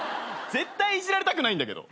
絶対いじられたくないんだけど。